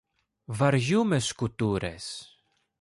Βαριούμαι σκοτούρες.